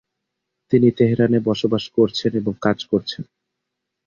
তিনি তেহরানে বসবাস করছেন এবং কাজ করছেন।